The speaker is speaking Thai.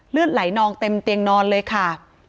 เลือดไหลนองเต็มเตียงนอนเลยค่ะ